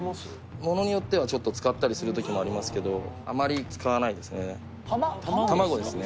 ものによっては使ったりする時もありますけどあまり使わないですね卵ですね